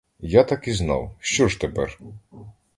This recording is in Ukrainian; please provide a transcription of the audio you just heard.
Я так і знав, що ж тепер?